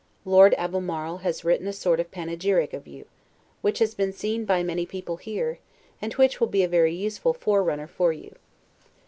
Lord Albemarle has wrote a sort of panegyric of you, which has been seen by many people here, and which will be a very useful forerunner for you.